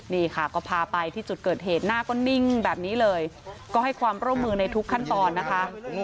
นี่ค่ะก็พาไปที่จุดเกิดเหตุหน้าก็นิ่งแบบนี้เลยก็ให้ความร่วมมือในทุกขั้นตอนนะคะ